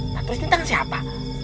nah terus ini tangan siapa